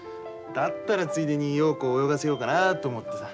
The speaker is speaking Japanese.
だったらついでに陽子を泳がせようかなと思ってさ。